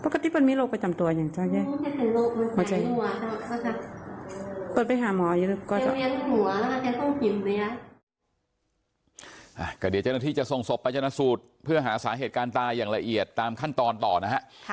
เดี๋ยวเจ้าหน้าที่จะส่งศพไปชนะสูตรเพื่อหาสาเหตุการณ์ตายอย่างละเอียดตามขั้นตอนต่อนะฮะ